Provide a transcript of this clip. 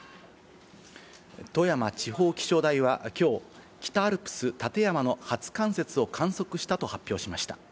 富山地方気象台はきょう、北アルプス立山の初冠雪を観測したと発表しました。